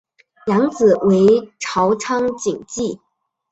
养子为朝仓景纪。